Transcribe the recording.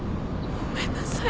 ごめんなさい